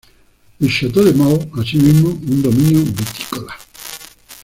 El Château de Malle así mismo un dominio vitícola.